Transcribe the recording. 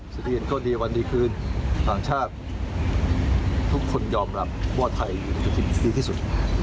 สุดยอดก็ดีวันดีคืนหลังชาติทุกคนยอมรับว่าไทยคือเศรษฐกิจดีที่สุด